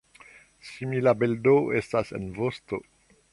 Simila bildo estas en vosto.